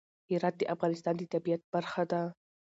هرات د افغانستان د طبیعت برخه ده.